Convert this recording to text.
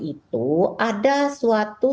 itu ada suatu